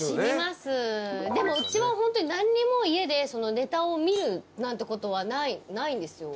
でもうちはホントに何にも家でネタを見るなんてことはないんですよ。